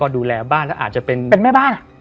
ดูแลบ้านเป็นแม่บ้าน